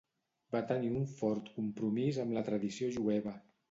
Va tenir un fort compromís amb la tradició jueva.